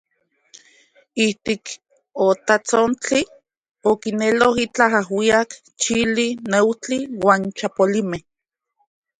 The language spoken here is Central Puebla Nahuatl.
Ijtik otatsontli, okinelo itlaj ajuijyak, chili, neujtli uan chapolimej.